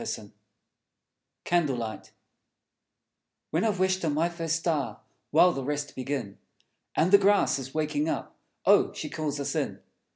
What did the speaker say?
_ Candle Light When I've wished on my first star, While the rest begin, And the grass is waking up, Oh, She calls us in!